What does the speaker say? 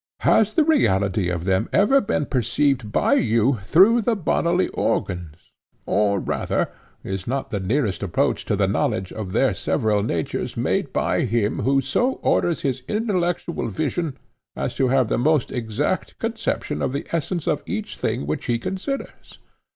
Has the reality of them ever been perceived by you through the bodily organs? or rather, is not the nearest approach to the knowledge of their several natures made by him who so orders his intellectual vision as to have the most exact conception of the essence of each thing which he considers?